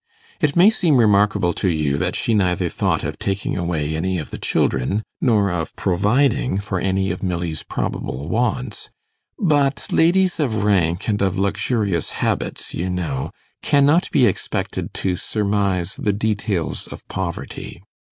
It may seem remarkable to you that she neither thought of taking away any of the children, nor of providing for any of Milly's probable wants; but ladies of rank and of luxurious habits, you know, cannot be expected to surmise the details of poverty.